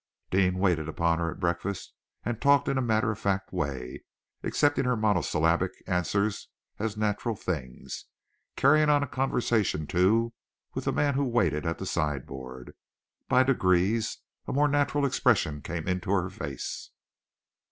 Deane waited upon her at breakfast, and talked in a matter of fact way, accepting her monosyllabic answers as natural things, carrying on a conversation, too, with the man who waited at the sideboard. By degrees, a more natural expression came into her face.